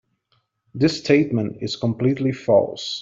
This statement is completely false.